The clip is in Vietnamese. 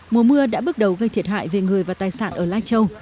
mùa mưa đã bước đầu gây thiệt hại về người và tài sản ở lai châu